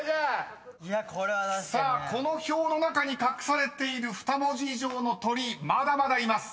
［さあこの表の中に隠されている２文字以上の鳥まだまだいます。